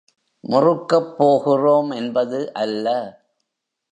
முறுக்கப் போகிறோம் என்பது அல்ல.